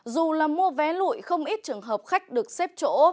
dù là mua vé lụi không ít trường hợp khách được xếp chỗ